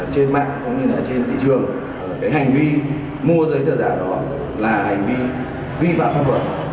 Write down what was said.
trên mạng cũng như trên thị trường hành vi mua giấy tờ giả đó là hành vi vi phạm phục vẩn